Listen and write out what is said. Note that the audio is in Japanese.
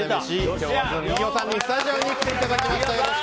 今日は、ずん飯尾さんにスタジオに来ていただきました。